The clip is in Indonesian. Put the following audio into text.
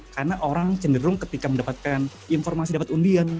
karena orang cenderung ketika mendapatkan informasi dapat undian